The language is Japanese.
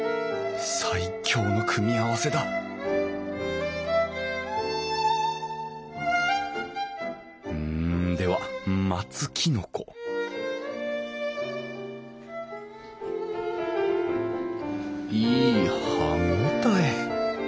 最強の組み合わせだんでは松きのこいい歯応え！